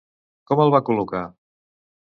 Com el va col·locar?